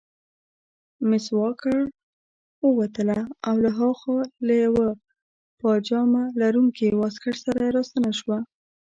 مس واکر ووتله او له هاخوا له یوه پاجامه لرونکي واسکټ سره راستنه شوه.